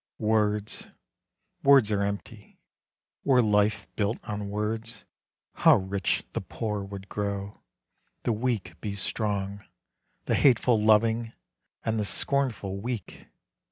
Words, words are empty; were life built on words, How rich the poor would grow, the weak be strong, The hateful loving, and the scornful weak!